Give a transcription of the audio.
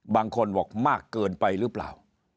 บางคนบอกมากเกินไปหรือเปล่า